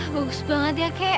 bagus banget ya kek